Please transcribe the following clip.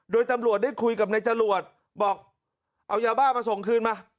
โดยตำรวจได้คุยกับนายจรวดบอกเอายาบ้ามาส่งคืนมา